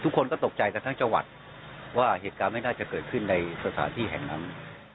ทุกคนก็ตกใจกันทั้งจังหวัดว่าเหตุการณ์ไม่น่าจะเกิดขึ้นในสถานที่แห่งนั้น